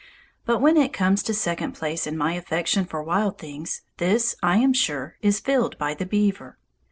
But when it comes to second place in my affection for wild things, this, I am sure, is filled by the beaver.